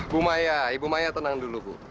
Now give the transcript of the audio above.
bu maya ibu maya tenang dulu bu